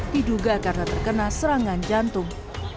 diduga karena terkena serangan jantung